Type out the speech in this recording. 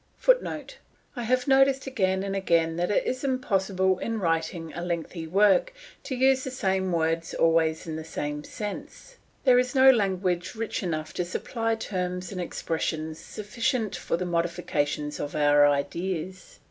[Footnote: I have noticed again and again that it is impossible in writing a lengthy work to use the same words always in the same sense. There is no language rich enough to supply terms and expressions sufficient for the modifications of our ideas.